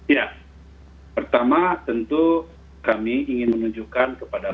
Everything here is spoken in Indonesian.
ya pertama tentu kami ingin menunjukkan kepada